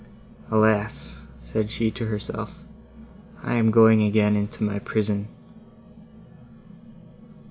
"Alas!" said she to herself, "I am going again into my prison!"